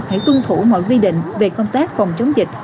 hãy tuân thủ mọi quy định về công tác phòng chống dịch